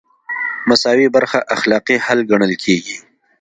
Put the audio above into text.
مساوي برخه اخلاقي حل ګڼل کیږي.